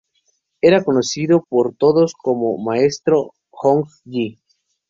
Era conocido por todos como Maestro Hong Yi.